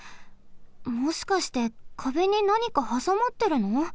もしかして壁になにかはさまってるの？